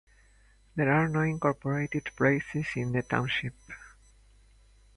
There are no incorporated places in the township.